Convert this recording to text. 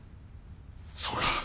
そうか。